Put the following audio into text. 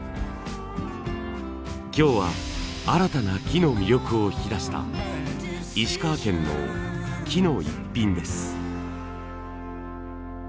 今日は新たな木の魅力を引き出した石川県の木のイッピンです。